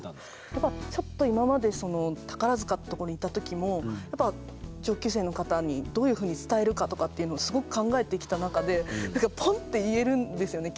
やっぱちょっと今まで宝塚って所にいた時もやっぱ上級生の方にどういうふうに伝えるかとかっていうのをすごく考えてきた中でポンって言えるんですよね